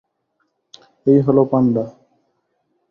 এই হলো পান্ডা।